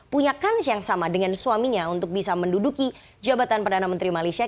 punya kans yang sama dengan suaminya untuk bisa menduduki jabatan perdana menteri malaysia